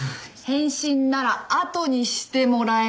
返信ならあとにしてもらえませんか？